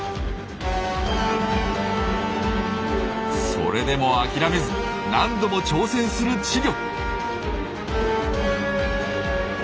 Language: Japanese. それでも諦めず何度も挑戦する稚魚。